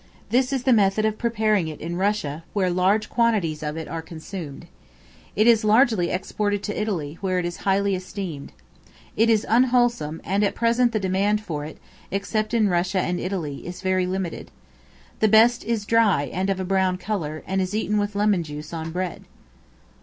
This is the method of preparing it in Russia, where large quantities of it are consumed. It is largely exported to Italy, where it is highly esteemed. It is unwholesome, and at present the demand for it, except in Russia and Italy, is very limited. The best is dry and of a brown color, and is eaten with lemon juice on bread.